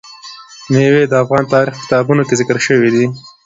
مېوې د افغان تاریخ په کتابونو کې ذکر شوی دي.